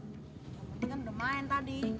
yang penting kan sudah main tadi